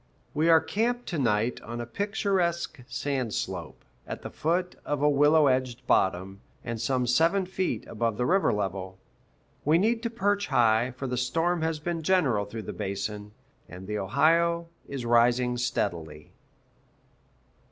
We are camped to night on a picturesque sand slope, at the foot of a willow edged bottom, and some seven feet above the river level. We need to perch high, for the storm has been general through the basin, and the Ohio is rising steadily.